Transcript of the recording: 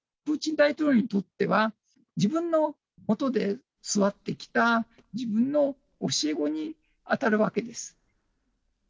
プーチン大統領にとっては、自分のもとで育ってきた自分の教え子に当たるわけです。